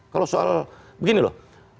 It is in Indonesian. kalau soal begini loh